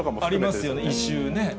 ありますよね、異臭ね。